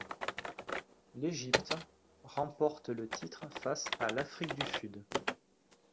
L'Égypte remporte le titre face à l'Afrique du Sud.